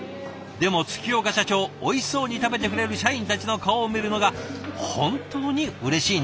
でも月岡社長おいしそうに食べてくれる社員たちの顔を見るのが本当にうれしいんだそう。